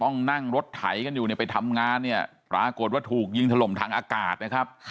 นั่งรถไถกันอยู่เนี่ยไปทำงานเนี่ยปรากฏว่าถูกยิงถล่มทางอากาศนะครับ